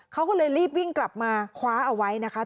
เขาก็เลยรีบวิ่งกลับมาคว้าเอาไว้นะคะ